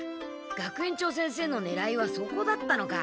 学園長先生のねらいはそこだったのか。